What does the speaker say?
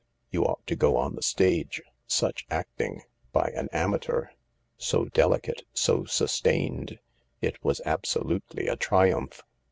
You ought to go on the stage — such acting, by an amateur ; so delicate, so sustained — it was absolutely a triumph.